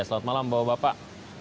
selamat malam bapak